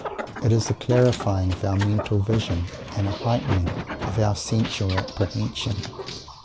It is a clarifying of our mental vision and a heightening of our sensual apprehension.